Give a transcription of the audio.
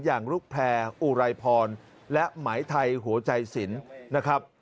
อย่างลูกแพร่อุไรพรและหมายไทยหัวใจสินนะครับ